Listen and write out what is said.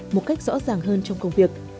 một cách rõ ràng hơn trong công việc